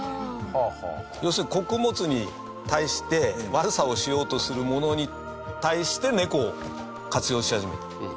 堤：要するに、穀物に対して悪さをしようとするものに対して猫を活用し始めた。